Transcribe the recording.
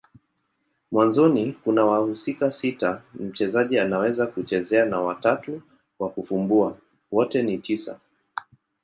Mwanzoni kuna wahusika sita mchezaji anaweza kuchezea na watatu wa kufumbua. Wote ni tisa.